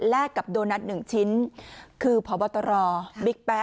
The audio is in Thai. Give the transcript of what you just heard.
กับโดนัท๑ชิ้นคือพบตรบิ๊กแป๊